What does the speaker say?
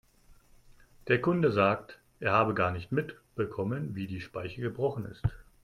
Der Kunde sagt, er habe gar nicht mitbekommen, wie die Speiche gebrochen ist.